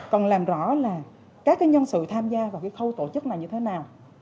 còn làm rõ là các cái nhân sự tham gia vào cái khâu tổ chức này như thế nào